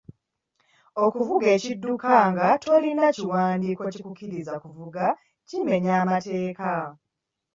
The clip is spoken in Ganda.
Okuvuga ekidduka nga tolina kiwandiiko kikukkiriza kuvuga kimenya mateeka.